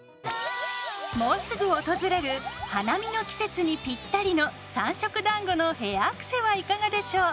もうすぐ訪れる花見の季節にぴったりの「三色だんご」のヘアアクセはいかがでしょう。